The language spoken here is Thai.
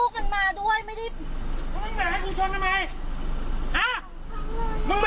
มิสวิทยุทน์เชอร์๕ขวบ